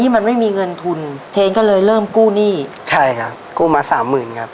มันไม่มีเงินทุนเทนก็เลยเริ่มกู้หนี้ใช่ครับกู้มาสามหมื่นครับ